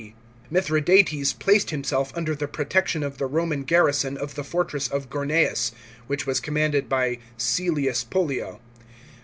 D.). Mithra dates placed himself under the protection of the Roman garrison of the fortress ot Gorneas, which was commanded by Cselius Pollio.